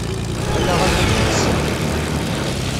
Ala aman ay ttesseɣ.